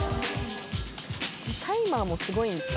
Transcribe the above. タイマーもすごいんですよね。